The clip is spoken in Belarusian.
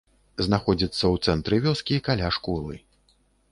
Знаходзіцца ў цэнтры вёскі, каля школы.